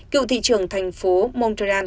cựu thị trường thành phố montreal